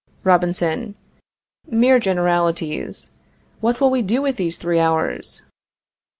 Robinson. Mere generalities. What will we do with these three hours?